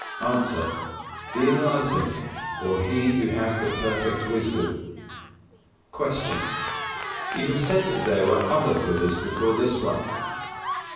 _ A. The enlightened, or he who has the perfect wisdom. 107. Q. _You have said that there were other Buddhas before this one?